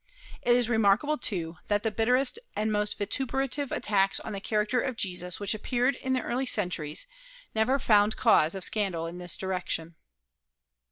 It is remarkable, too, that the bitterest and most vituperative attacks on the character of Jesus which appeared in early centuries never found cause of scandal in this direction.